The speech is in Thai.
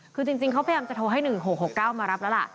คือจริงเขาพยายามจะโทรให้๑๖๖๙มารับแล้วล่ะ